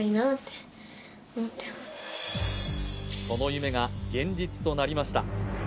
その夢が現実となりました